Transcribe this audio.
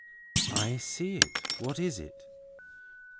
"I see it. What is it?"